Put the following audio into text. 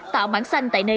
tạo bản xanh tại nước